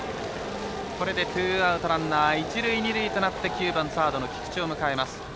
これでツーアウトランナー一塁二塁となって９番、サードの菊池を迎えます。